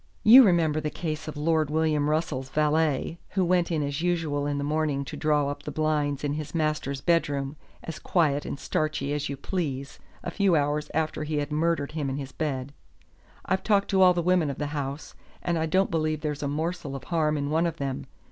You remember the case of Lord William Russell's valet, who went in as usual in the morning to draw up the blinds in his master's bedroom, as quiet and starchy as you please, a few hours after he had murdered him in his bed. I've talked to all the women of the house, and I don't believe there's a morsel of harm in one of them.